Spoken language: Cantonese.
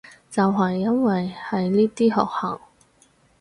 就係因為係呢啲學校